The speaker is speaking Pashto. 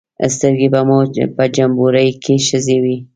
سترګې به مو په جمبوري کې ښخې وې.